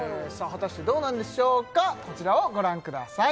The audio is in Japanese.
果たしてどうなんでしょうかこちらをご覧ください